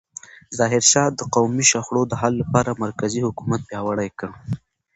ظاهرشاه د قومي شخړو د حل لپاره مرکزي حکومت پیاوړی کړ.